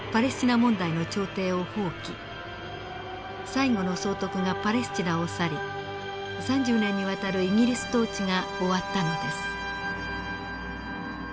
最後の総督がパレスチナを去り３０年にわたるイギリス統治が終わったのです。